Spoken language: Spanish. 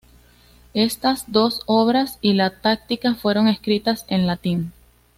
Estas dos obras y la "Táctica" fueron escritas en latín.